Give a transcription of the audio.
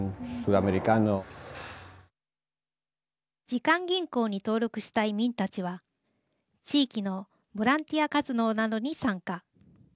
時間銀行に登録した移民たちは地域のボランティア活動などに参加。